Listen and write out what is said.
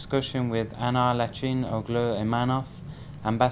chúng tôi sẽ kết thúc một số cuộc bàn gọi